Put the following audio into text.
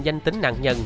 danh tính nạn nhân